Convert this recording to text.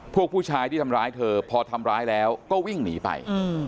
ผู้ชายที่ทำร้ายเธอพอทำร้ายแล้วก็วิ่งหนีไป